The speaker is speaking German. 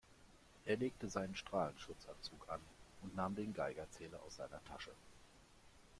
Er legte seinen Strahlenschutzanzug an und nahm den Geigerzähler aus seiner Tasche.